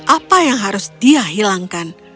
apa yang harus dia hilangkan